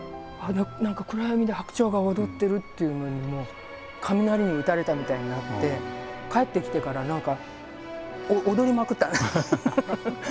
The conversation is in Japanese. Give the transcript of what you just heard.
何か暗闇で白鳥が踊ってるっていうのにもう雷に打たれたみたいになって帰ってきてから何か踊りまくったフフフ！